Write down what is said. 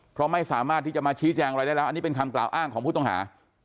เพราะไม่สามารถที่จะมาชี้แจงอะไรได้แล้วอันนี้เป็นคำกล่าวอ้างของผู้ต้องหา